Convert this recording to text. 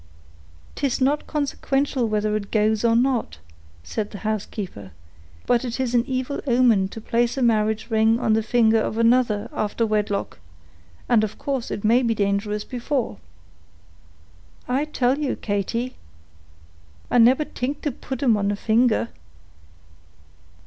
"'Tis not consequential whether it goes on or not," said the housekeeper; "but it is an evil omen to place a marriage ring on the finger of another after wedlock, and of course it may be dangerous before." "I tell you, Katy, I neber t'ink to put um on a finger."